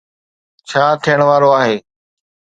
ڇا ٿيڻ وارو آهي؟